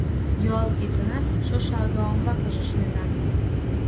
Юалге гынат, шошо ага умбакыже шуйна.